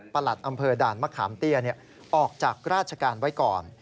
หลัดอำเภอด่านมะขามเตี้ยออกจากราชการไว้ก่อน